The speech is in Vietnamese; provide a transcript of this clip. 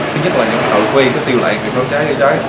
thứ nhất là những hậu quy các tiêu lệ việc nói cháy nói cháy